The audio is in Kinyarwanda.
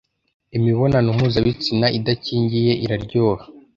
imibonano mpuzabitsina idakingiye iraryoha